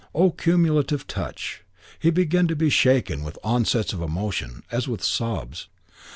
Oh, cumulative touch! He began to be shaken with onsets of emotion, as with sobs.